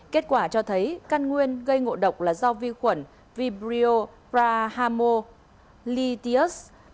kết quả cho thấy căn nguyên gây ngộ độc là do vi khuẩn vibrio prahamolitis